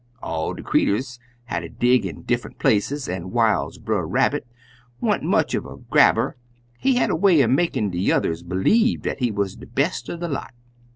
All de creeturs hatter dig in diffunt places, an' whiles Brer Rabbit want much uv a grabbler, he had a way er makin' de yuthers b'lieve dat he wuz de best er de lot.